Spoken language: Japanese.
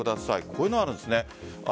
こういうのがあるんですね。